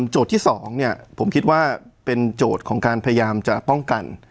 โจทย์ที่สองเนี่ยผมคิดว่าเป็นโจทย์ของการพยายามจะป้องกัน